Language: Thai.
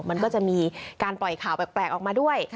มันก็จะมีการปล่อยข่าวแปลกออกมาด้วย